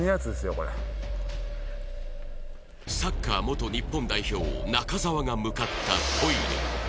これサッカー元日本代表中澤が向かったトイレ